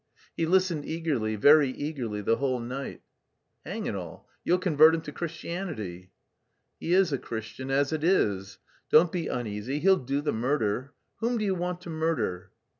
He listened eagerly, very eagerly, the whole night." "Hang it all, you'll convert him to Christianity!" "He is a Christian as it is. Don't be uneasy, he'll do the murder. Whom do you want to murder?"